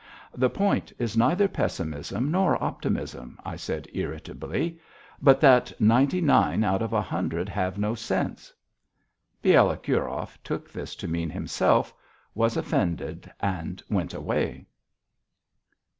"The point is neither pessimism nor optimism," I said irritably, "but that ninety nine out of a hundred have no sense." Bielokurov took this to mean himself, was offended, and went away.